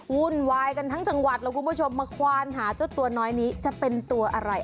หุ้นวายกันทั้งจังหวัดมาควานหาจะเป็นตัวน้อยนี้จะเป็นอะไร